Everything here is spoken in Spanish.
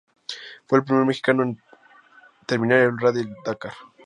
Fue el primer mexicano en terminar el Rally Dakar.